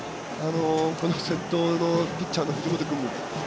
先頭のピッチャーの藤本君足